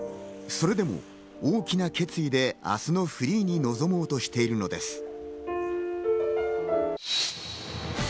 それでも、大きな決意で明日のフリーに臨もうとしているのです。